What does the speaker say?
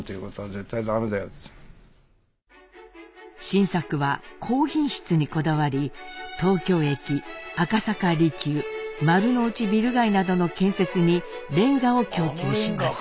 新作は高品質にこだわり東京駅赤坂離宮丸の内ビル街などの建設に煉瓦を供給します。